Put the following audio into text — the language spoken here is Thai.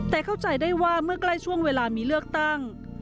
แต่เข้าใจได้ว่าเมื่อใกล้ช่วงเวลามีเลือกตั้ง